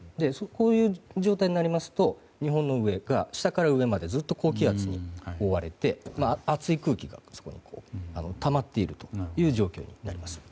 こういう状態になりますと日本の下から上までずっと高気圧に覆われて熱い空気がたまっているという状況です。